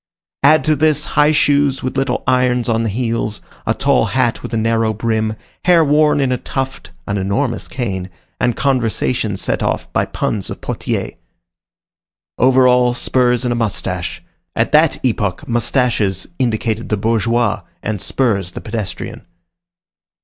Add to this, high shoes with little irons on the heels, a tall hat with a narrow brim, hair worn in a tuft, an enormous cane, and conversation set off by puns of Potier. Over all, spurs and a moustache. At that epoch moustaches indicated the bourgeois, and spurs the pedestrian.